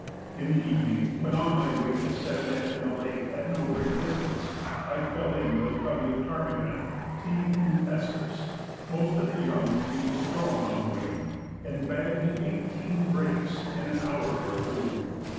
In the evening, when on my way to set a net in a lake at no great distance, I fell in with a covey of ptarmigan, (T. rupestris), most of the young being strong on the wing, and bagged eighteen brace in an hour or two.